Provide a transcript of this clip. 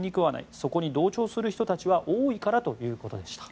そこに同調する人たちは多いからということでした。